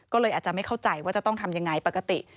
ก็เลยอาจจะไม่เข้าใจว่าจะต้องทำยังไงปกติ